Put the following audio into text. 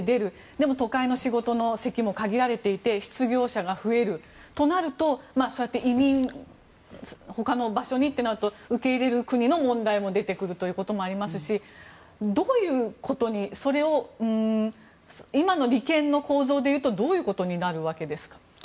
でも、都会の仕事の席も限られていて失業者が増えるとなると移民、他の場所にとなると受け入れる国の問題も出てくるということもありますしそれを、今の利権の構造でいうとどういうことになるわけですか？